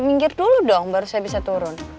minggir dulu dong baru saya bisa turun